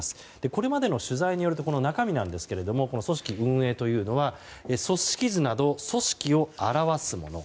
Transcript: これまでの取材においてこの中身なんですが組織・運営というのは組織図など組織を表すもの。